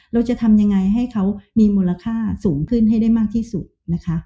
เราจะทำยังไงให้เขามีมูลค่าสูงขึ้นให้ได้มากที่สุดนะคะ